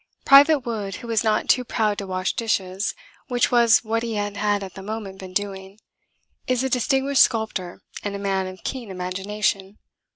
Private Wood, who was not too proud to wash dishes (which was what he had at that moment been doing), is a distinguished sculptor and a man of keen imagination.